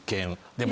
でも。